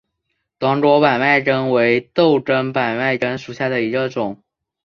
短果百脉根为豆科百脉根属下的一个种。